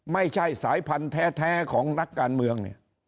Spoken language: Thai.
ไม่ใช่สายพันธุ์แท้ของนักการเมืองเนี่ย